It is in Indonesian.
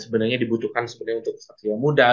sebenarnya dibutuhkan untuk satria muda